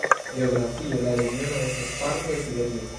Geografie la regiono estas parto de Siberio.